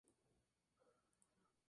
Tenía tres plantas.